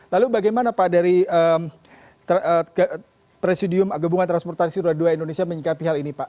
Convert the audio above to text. lalu bagaimana pak dari presidium gabungan transportasi rura ii indonesia menikmati hal ini pak